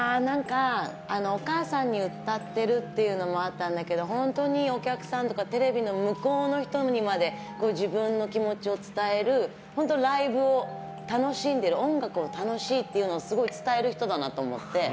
お母さんに歌っているというのもあったんだけど本当にお客さんとかテレビの向こうの人にまで自分の気持ちを伝えるライブを楽しんでいる、音楽を楽しいとすごい伝える人だなと思って。